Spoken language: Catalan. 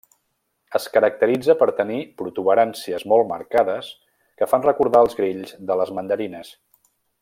Es caracteritza per tenir protuberàncies molt marcades que fan recordar els grills de les mandarines.